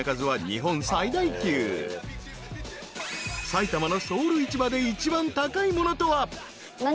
［埼玉のソウル市場で一番高いものとは］